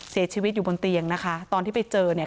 เสียชีวิตอยู่บนเตียงนะคะตอนที่ไปเจอเนี่ย